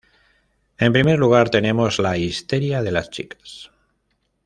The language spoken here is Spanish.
En primer lugar tenemos la histeria de las chicas.